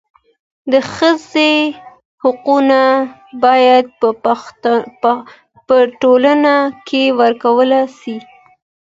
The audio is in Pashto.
د ښځي حقونه باید په ټولنه کي ورکول سي.